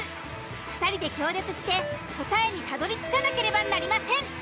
２人で協力して答えにたどりつかなければなりません。